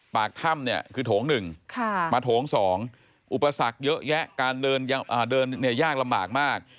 ปากถ้ำเนี่ยคือโถง๑มาโถง๒อุปสรรคเยอะแยะการเดินยากลำบากมาก